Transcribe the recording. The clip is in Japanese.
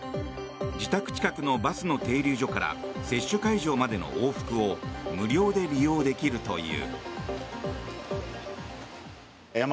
自宅近くのバスの停留所から接種会場までの往復を無料で利用できるという。